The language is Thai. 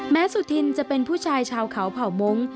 สุธินจะเป็นผู้ชายชาวเขาเผ่ามงค์